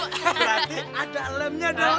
berarti ada lemnya dong